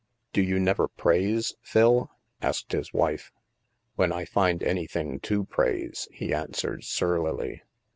" Do you never praise, Phil? " asked his wife. " When I find anything to praise," he answered surlily.